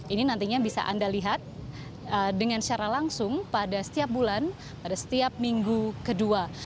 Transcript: ini nantinya bisa anda lihat dengan secara langsung pada setiap bulan pada setiap minggu kedua